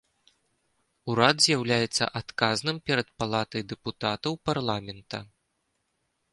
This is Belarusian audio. Урад з'яўляецца адказным перад палатай дэпутатаў парламента.